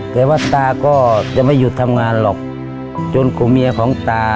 แต่ว่าตาก็จะไม่หยุดทำงานหรอกจนกลุ่มเมียของตา